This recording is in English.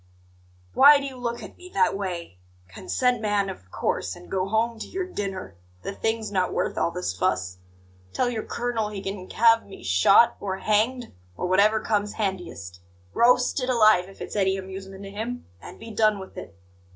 Why do you look at me that way? Consent, man, of course, and go home to your dinner; the thing's not worth all this fuss. Tell your colonel he can have me shot, or hanged, or whatever comes handiest roasted alive, if it's any amusement to him and be done with it!"